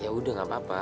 ya udah nggak apa apa